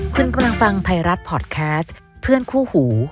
คุณกำลังฟังไทยรัฐพอร์ตแคสต์เพื่อนคู่หู